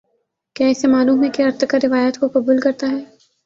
کیا اسے معلوم ہے کہ ارتقا روایت کو قبول کرتا ہے۔